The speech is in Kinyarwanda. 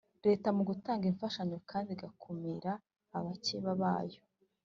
Leta mu gutanga imfashanyo kandi igakumira abakeba bayo